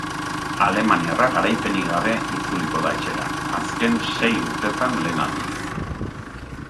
Alemaniarra garaipenik gabe itzuliko da etxera, azken sei urteetan lehen aldiz.